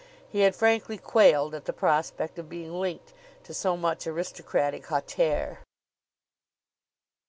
He had frankly quailed at the prospect of being linked to so much aristocratic hauteur.